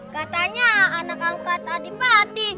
katanya anak angkat adipati